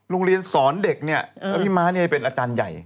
โรงเรียนสอนเด็กเนี่ยแล้วพี่ม้าเนี่ยเป็นอาจารย์ใหญ่